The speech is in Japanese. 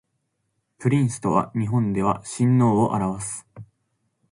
プリンスとは日本では親王を表す